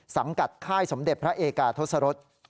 สังกัดค่ายสมเด็จพระเอกาทศรษ